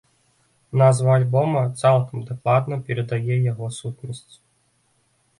Назва альбома цалкам дакладна перадае яго сутнасць.